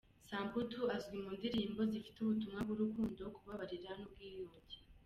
Samputu azwi mu ndirimbo zifite ubutumwa bw'urukundo, kubabarira n'ubwiyunge.